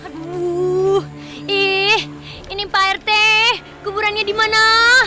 aduh ih ini pak rt kuburannya di mana